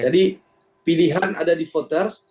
jadi pilihan ada di futer